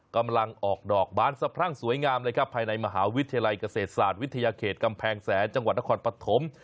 กำลังออกดอกบานสะพรั่งสวยงามเลยครับภายในมหาวิทยาลัยเกษตรศาสตร์วิทยาเขตกำแพงแสนจังหวัดนครปฐม